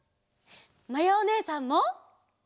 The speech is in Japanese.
まやおねえさんも！